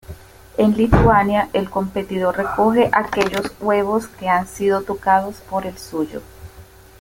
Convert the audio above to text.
En Lituania el competidor recoge aquellos huevos que han sido tocados por el suyo.